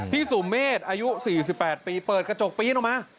สุเมษอายุ๔๘ปีเปิดกระจกปีนออกมา